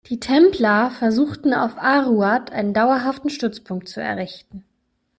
Die Templer versuchten auf Aruad einen dauerhaften Stützpunkt zu errichten.